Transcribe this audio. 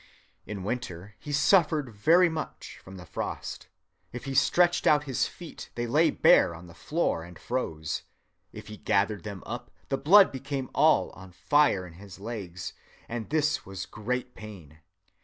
"In winter he suffered very much from the frost. If he stretched out his feet they lay bare on the floor and froze, if he gathered them up the blood became all on fire in his legs, and this was great pain.